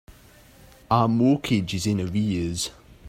Our mortgage is in arrears.